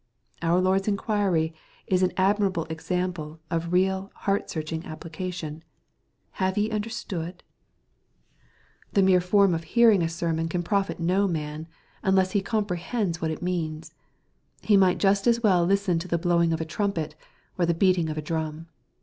Our Lord's inquiry is an admirable example of real heart searching application, " Have ye understood ?'' MATTHEW, CHAP. XIII. 155 The meie form of hearing a sermon can profit no man, unless he comprehends what it means. He might just as well listen to the blowing of a trumpet, or the beating of a drum.